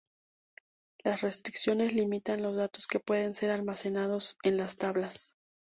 Las restricciones limitan los datos que pueden ser almacenados en las tablas.